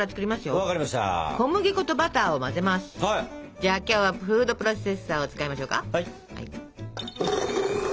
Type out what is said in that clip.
じゃあ今日はフードプロセッサーを使いましょうか。